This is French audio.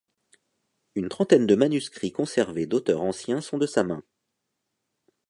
Une trentaine de manuscrits conservés d'auteurs anciens sont de sa main.